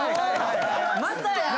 またやん！